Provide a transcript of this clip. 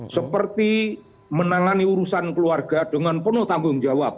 seperti menangani urusan keluarga dengan penuh tanggung jawab